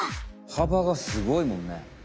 はばがすごいもんね。